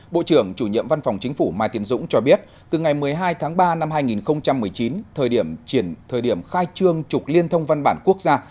bộ trưởng chủ nhiệm văn phòng chính phủ mai tiến dũng cho biết từ ngày một mươi hai tháng ba năm hai nghìn một mươi chín thời điểm khai trương trục liên thông văn bản quốc gia